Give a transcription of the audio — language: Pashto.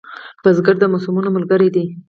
بزګر د موسمونو ملګری دی